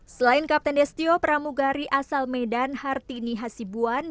selain kapten destio pramugari asal medan hartini hasibuan